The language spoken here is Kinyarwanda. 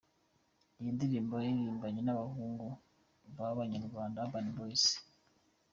Iyi nindirimbo yaririmbanye nabahungu ba banyarwanda Urban Boyz